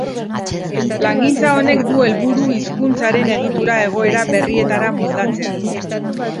Plangintza honek du helburu hizkuntzaren egitura egoera berrietara moldatzea.